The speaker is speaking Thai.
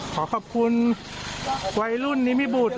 ขอขอบคุณวัยรุ่นนิมิบุตร